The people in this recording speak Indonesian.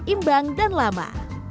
imbang dan lama